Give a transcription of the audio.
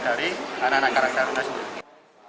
dari anak anak karang taruna sendiri